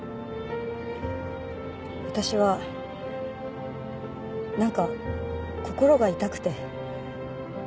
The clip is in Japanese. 私はなんか心が痛くて。